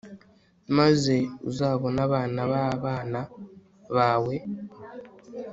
maze uzabone abana b'abana bawe